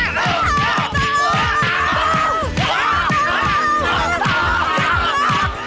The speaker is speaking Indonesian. setelah itu cowo nya cepetan